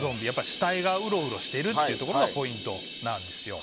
死体がうろうろしているというところがポイントなんですよ。